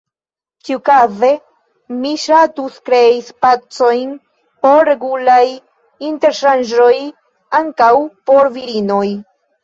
Ĉiukaze mi ŝatus krei spacojn por regulaj interŝanĝoj ankaŭ por virinoj.